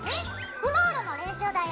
クロールの練習だよ。